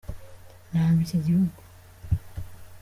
nanga ikigihugu